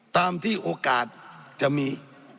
ตามที่โอกาสจะมี